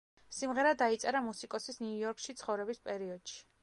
სიმღერა დაიწერა მუსიკოსის ნიუ-იორკში ცხოვრების პერიოდში.